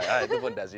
iya itu fondasi